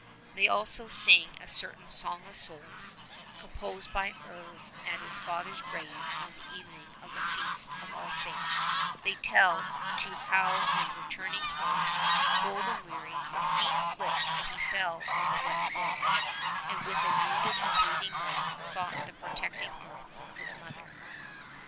They also sing a certain "Song of Souls" composed by Herve at his father's grave on the evening of the feast of All Saints; they tell too how on returning home, cold and weary, his feet slipped and he fell on the wet soil, and with a wounded and bleeding mouth sought the protecting arms of his mother.